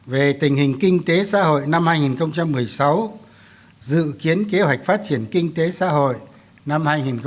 về tình hình kinh tế xã hội năm hai nghìn một mươi sáu dự kiến kế hoạch phát triển kinh tế xã hội năm hai nghìn hai mươi